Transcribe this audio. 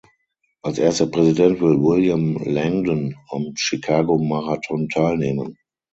Als erster Präsident will William Langdon am Chicago Marathon teilnehmen.